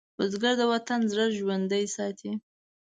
بزګر د وطن زړه ژوندی ساتي